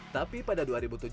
tapi pada dua ribu tujuh belas